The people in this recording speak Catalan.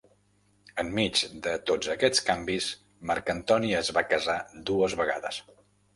Enmig de tots aquests canvis, Marc Antoni es va casar dues vegades.